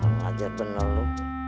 kamu ajar bener lo